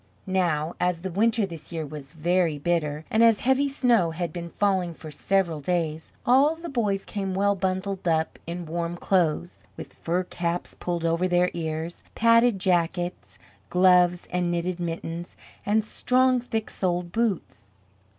Now, as the winter this year was very bitter, and as heavy snow had been falling for several days, all the boys came well bundled up in warm clothes, with fur caps pulled over their ears, padded jackets, gloves and knitted mittens, and strong, thick soled boots.